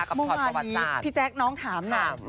กับชอตประวัติศาสตร์เมื่อวานนี้พี่แจ๊กน้องถามหน่อย